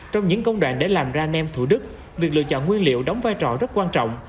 trong những công đoạn để làm ra nem thủ đức việc lựa chọn nguyên liệu đóng vai trò rất quan trọng